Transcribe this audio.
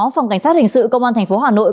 phòng cảnh sát hình sự công an thành phố hà nội